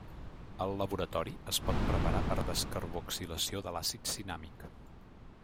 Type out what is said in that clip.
Al laboratori es pot preparar per descarboxilació de l'àcid cinàmic.